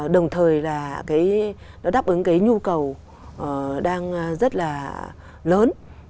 đồng thời là đáp ứng cái nhu cầu đang rất là lớn